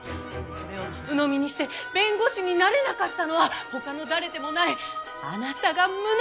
それをうのみにして弁護士になれなかったのは他の誰でもないあなたが無能だったからでしょ！